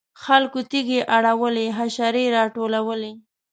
خلکو تیږې اړولې حشرې راټولولې.